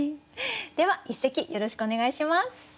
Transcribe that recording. では一席よろしくお願いします。